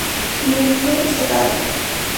Domingo: Cerrado.